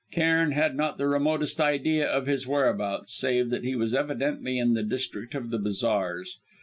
Cairn had not the remotest idea of his whereabouts, save that he was evidently in the district of the bazaars.